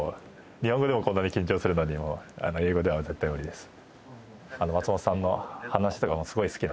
日本語でもこんなに緊張するのに英語では絶対無理です。